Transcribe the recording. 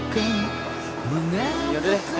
kamu hampir kamu murah ya